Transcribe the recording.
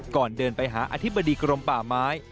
ก่อนเดินไปหาอธิบดีกรมป่าไม้